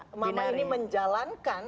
mama ini menjalankan